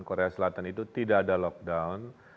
korea selatan itu tidak ada lockdown